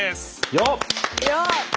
よっ！